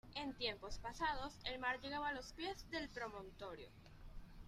En tiempos pasados el mar llegaba a los pies del promontorio.